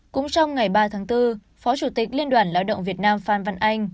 cũng trong ngày ba tháng bốn phó chủ tịch liên đoàn lao động việt nam phan văn anh